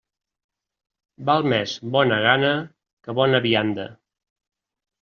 Val més bona gana que bona vianda.